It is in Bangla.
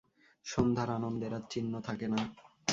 সন্ধ্যার আনন্দের আর চিহ্ন থাকে না।